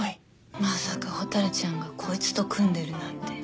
まさか蛍ちゃんがこいつと組んでるなんて。